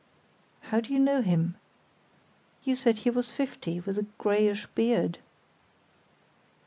"How do you know him? You said he was fifty, with a greyish beard."